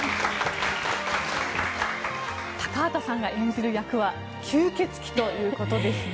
高畑さんが演じる役は吸血鬼ということですね。